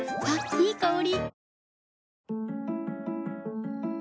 いい香り。